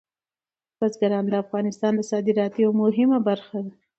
بزګان د افغانستان د صادراتو یوه مهمه برخه ده.